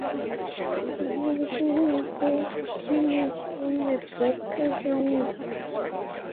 You can never see him, for he lives in the depths of the woods.